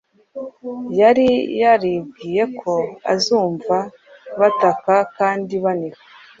Yari yaribwiye ko azumva bataka kandi baniha,